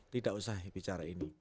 tidak usah bicara ini